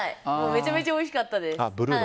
めちゃめちゃおいしかったです。